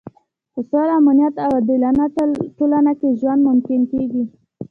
په سوله، امنیت او عادلانه ټولنه کې ژوند ممکن کېږي.